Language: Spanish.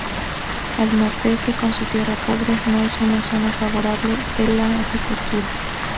El nordeste, con su tierra pobre, no es una zona favorable a la agricultura.